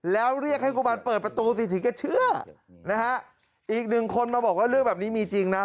แล้วเรียกให้กุมารเปิดประตูสิถึงแกเชื่อนะฮะอีกหนึ่งคนมาบอกว่าเรื่องแบบนี้มีจริงนะ